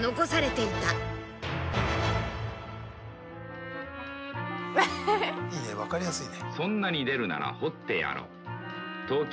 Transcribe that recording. いいね分かりやすいね。